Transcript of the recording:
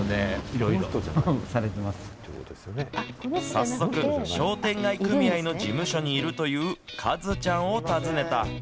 早速、商店街組合の事務所にいるという、かずちゃんを訪ねた。